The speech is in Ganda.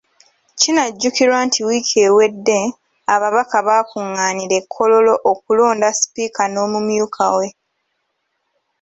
Kinajjukirwa nti wiiki ewedde ababaka bakungaanira e Kololo okulonda sipiika n’omumyuka we .